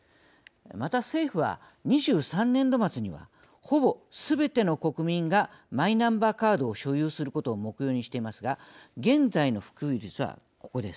また、政府は２３年度末にはほぼすべての国民がマイナンバーカードを所有することを目標にしていますが現在の普及率はここです。